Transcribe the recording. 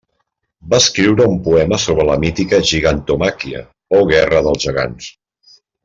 Va escriure un poema sobre la mítica Gigantomàquia, o guerra dels gegants.